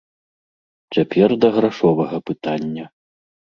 Цяпер да грашовага пытання.